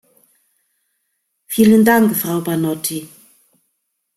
Vielen Dank, Frau Banotti.